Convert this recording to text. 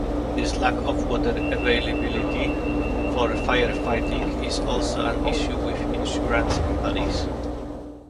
This lack of water availability for firefighting is also an issue with insurance companies.